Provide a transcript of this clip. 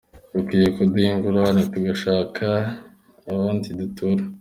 Bakwiye kuduha ingurane tugashaka ahandi dutura.